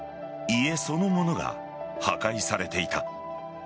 家そのものが破壊されていた。